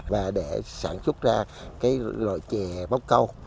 và để sản xuất ra cái loại chè bóc câu